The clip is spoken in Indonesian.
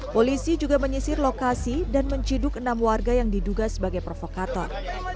polisi juga menyisir lokasi dan menciduk enam warga yang diduga sebagai provokator